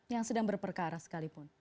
yang sedang berperkara sekalipun